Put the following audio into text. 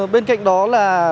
bên cạnh đó là